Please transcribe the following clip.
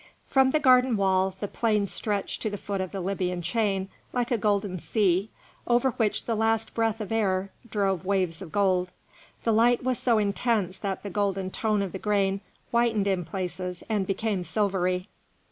From the garden wall, the plain stretched to the foot of the Libyan chain like a yellow sea over which the least breath of air drove waves of gold. The light was so intense that the golden tone of the grain whitened in places and became silvery.